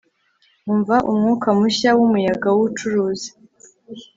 umva umwuka mushya wumuyaga wubucuruzi